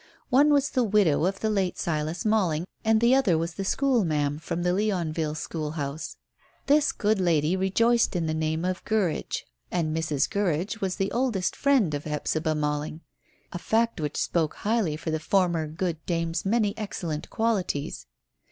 One was the widow of the late Silas Malling, and the other was the school ma'am from the Leonville school house. This good lady rejoiced in the name of Gurridge, and Mrs. Gurridge was the oldest friend of Hephzibah Malling, a fact which spoke highly for the former good dame's many excellent qualities.